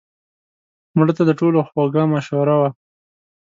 مړه د ټولو خوږه مشوره وه